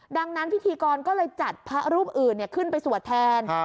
ดังนั้นพิธีกรก็เลยจัดพระรูปอื่นขึ้นไปสวดแทน